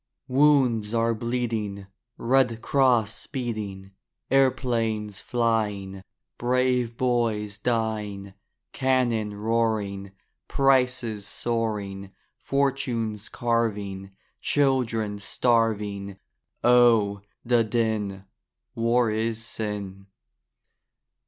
Wounds are bleeding, Red Cross speeding, Airplanes flying, Brave boys dying, Cannon roaring 78 LIFE WAVES Prices soaring, Fortunes carving, Children starving, O, the din! War is sin.